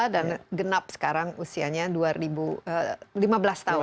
dan genap sekarang usianya dua ribu lima belas tahun